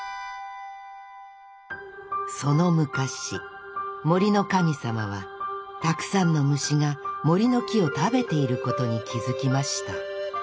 その昔森の神様はたくさんの虫が森の木を食べていることに気付きました。